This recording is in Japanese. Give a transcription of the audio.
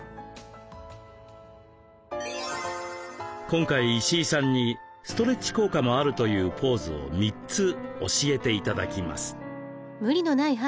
今回石井さんにストレッチ効果もあるというポーズを３つ教えて頂きます。